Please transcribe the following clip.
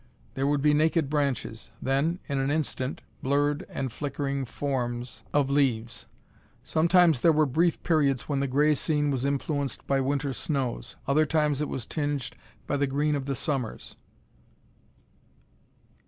There would be naked branches; then, in an instant, blurred and flickering forms of leaves. Sometimes there were brief periods when the gray scene was influenced by winter snows; other times it was tinged by the green of the summers.